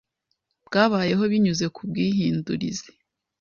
bwabayeho binyuze ku bwihindurize